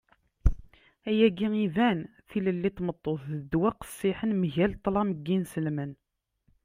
ayagi iban. tilelli n tmeṭṭut d ddwa qqessiḥen mgal ṭṭlam n yinselmen